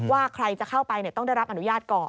ว่าใครจะเข้าไปต้องได้รับอนุญาตก่อน